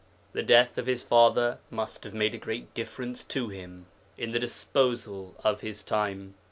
The death of his father must have made a great difference to him In the disposal of his time.